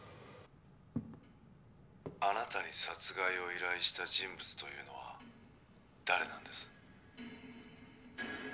あなたに殺害を依頼した人物というのは誰なんです？